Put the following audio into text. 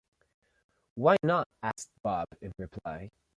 ‘Why not?’ asked Bob, in reply.